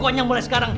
pokoknya mulai sekarang